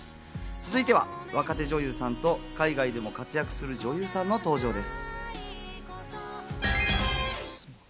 続いては若手女優さんと海外でも活躍する俳優さんの登場です。